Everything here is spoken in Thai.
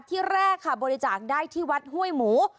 ที่แรกค่ะบริจาคได้ที่วัดห้วยหมู